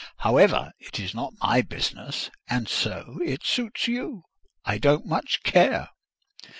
However, it is not my business, and so it suits you, I don't much care."